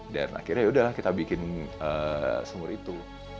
dan akhirnya yaudah kita bikin sumur itu